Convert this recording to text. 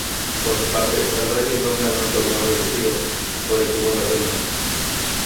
Por su parte, el Racing Club ganó el torneo reducido por el segundo ascenso.